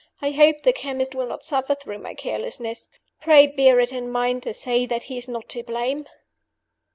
I hope the chemist will not suffer through my carelessness. Pray bear it in mind to say that he is not to blame.